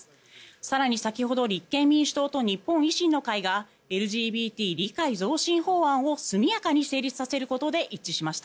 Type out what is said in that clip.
更に先ほど立憲民主党と日本維新の会がＬＧＢＴ理解増進法案を速やかに成立させることで一致しました。